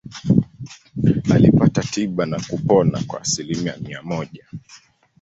Alipata tiba na kupona kwa asilimia mia moja.